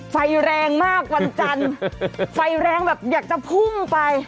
ไฟแรงมากวันจันทร์ไฟแรงแบบอยากจะพุ่งไป